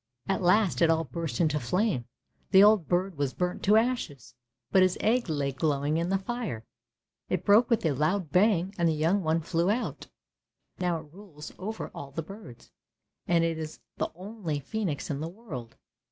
At last it all burst into flame, the old bird was burnt to ashes, but his egg lay glowing in the fire, it broke with a loud bang and the young one flew out. Now it rules over all the birds, and it is the only phcenix in the world.